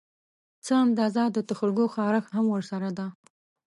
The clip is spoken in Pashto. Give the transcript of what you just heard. څه اندازه د تخرګو خارښت هم ورسره ده